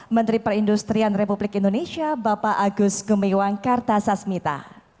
menteri perindustrian republik indonesia bapak agus gumiwang kartasasmita